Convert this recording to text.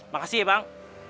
makasih ya bang